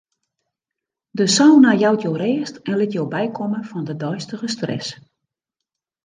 De sauna jout jo rêst en lit jo bykomme fan de deistige stress.